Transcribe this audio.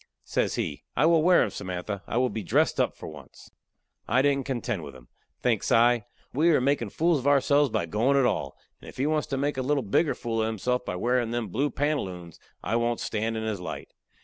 Says he: "I will wear 'em, Samantha. I will be dressed up for once." I didn't contend with him. Thinks I: we are makin' fools of ourselves by goin' at all, and if he wants to make a little bigger fool of himself by wearin' them blue pantaloons, I won't stand in his light.